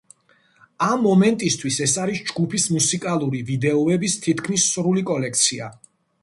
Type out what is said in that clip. ამ მომენტისთვის ეს არის ჯგუფის მუსიკალური ვიდეოების თითქმის სრული კოლექცია.